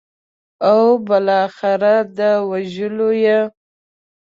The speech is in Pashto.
او بالاخره د وژلو یې.